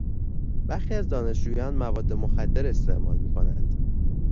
برخی از دانشجویان مواد مخدر استعمال میکنند.